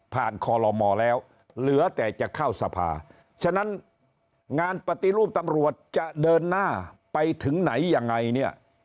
คอลโลมอแล้วเหลือแต่จะเข้าสภาฉะนั้นงานปฏิรูปตำรวจจะเดินหน้าไปถึงไหนยังไงเนี่ย